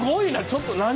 ちょっと何？